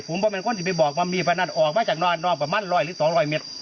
เพราะผมก็เป็นคนที่ไปบอกว่ามีเพราะนั่นออกไปจากหนรมาประมาณร้อยหรือสองร้อยเมตร